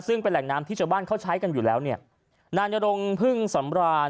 ซึ่งเป็นแหล่งน้ำที่ชาวบ้านเขาใช้กันอยู่แล้วเนี่ยนายนรงพึ่งสำราน